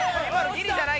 ギリじゃない？